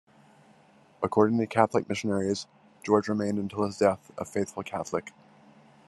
According to Catholic missionaries George remained until his death a faithful Catholic.